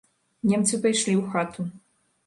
Немцы пайшлі ў хату.